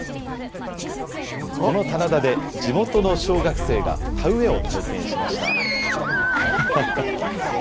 この棚田で地元の小学生が田植えを体験しました。